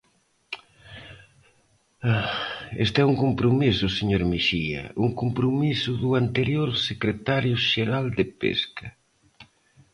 Isto é un compromiso, señor Mexía, un compromiso do anterior secretario xeral de Pesca.